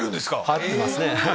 合ってますね。